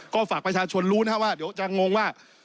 ก็ฝากประชาชนรู้นะครับว่าเดี๋ยวจะงงว่า